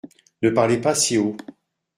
Ne parlez pas si haut.